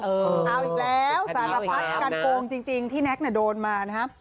เอาอีกแล้วสารพัดการโกงจริงที่แน็กโดนมานะครับ